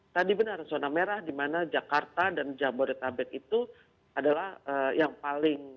tadi benar zona merah di mana jakarta dan jabodetabek itu adalah yang paling